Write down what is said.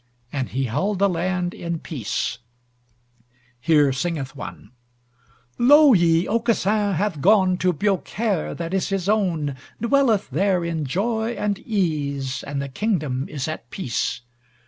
And he held the land in peace. Here singeth one: Lo ye, Aucassin hath gone To Biaucaire that is his own, Dwelleth there in joy and ease And the kingdom is at peace.